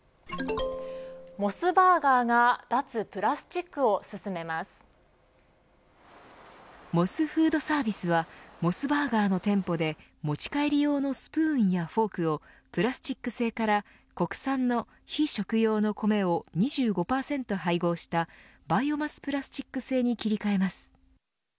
モスバーガーがモスフードサービスはモスバーガーの店舗で持ち帰り用のスプーンやフォークをプラスチック製から国産の非食用の米を２５％配合したバイオマスプラスチック製に切り替えます。